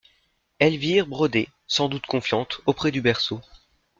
Elvire brodait, sans doute, confiante, auprès du berceau.